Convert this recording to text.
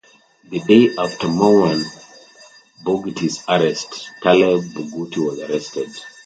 The day after Marwan Barghouti's arrest, Taleb Barghouti was arrested.